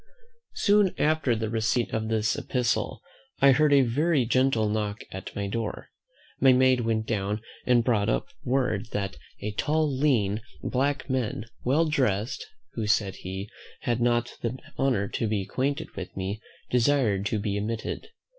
Soon after the receipt of this epistle, I heard a very gentle knock at my door. My maid went down and brought up word "that a tall, lean, black man, well dressed, who said he had not the honour to be acquainted with me, desired to be admitted."